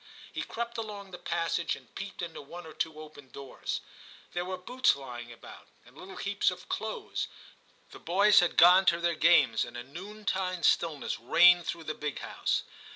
He crept along the passage and peeped into one or two open doors ; there were boots lying about, and little heaps of clothes : the boys had gone to their games and a noontide stillness reigned through the big house.